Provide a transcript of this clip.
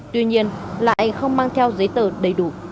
tuy nhiên lại không mang theo giấy tờ đầy đủ